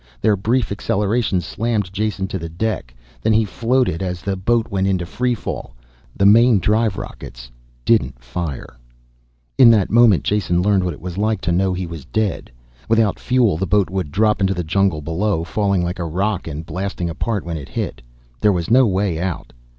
Their brief acceleration slammed Jason to the deck, then he floated as the boat went into free fall. The main drive rockets didn't fire. In that moment Jason learned what it was like to know he was dead. Without fuel the boat would drop into the jungle below, falling like a rock and blasting apart when it hit. There was no way out.